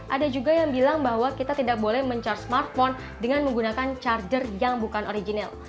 ada juga yang bilang bahwa kita tidak boleh men charge smartphone dengan menggunakan charger yang bukan original